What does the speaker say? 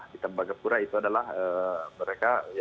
di tembagapura itu adalah mereka